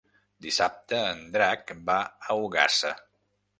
Dissabte en Drac va a Ogassa.